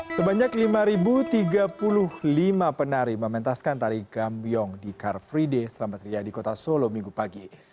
sebanyak lima tiga puluh lima penari mementaskan tari gambiong di car free day selamat ria di kota solo minggu pagi